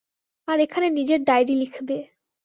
আর এখানে নিজের ডাইরি লিখবে।